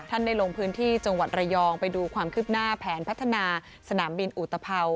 ได้ลงพื้นที่จังหวัดระยองไปดูความคืบหน้าแผนพัฒนาสนามบินอุตภัว